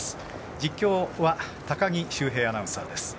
実況は高木修平アナウンサーです。